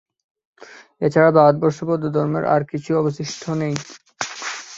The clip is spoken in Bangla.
এ-ছাড়া ভারতবর্ষে বৌদ্ধধর্মের আর কিছু অবশিষ্ট নেই।